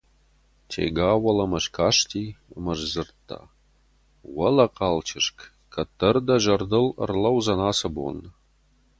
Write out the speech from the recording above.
Тега уӕлӕмӕ скасти ӕмӕ сдзырдта: «Уӕлӕ хъал чызг, кӕддӕр дӕ зӕрдыл ӕрлӕудзӕн ацы бон!»